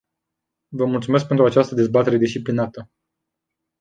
Vă mulțumesc pentru această dezbatere disciplinată.